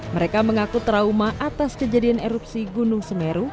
mereka mengaku trauma atas kejadian erupsi gunung semeru